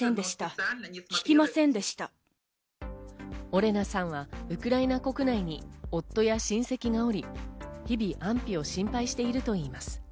オレナさんはウクライナ国内に夫や親戚がおり、日々安否を心配しているといいます。